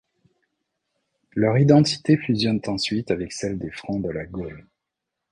Leur identité fusionne ensuite avec celle des Francs de la Gaule.